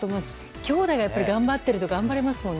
きょうだいが頑張ってると頑張れますもんね。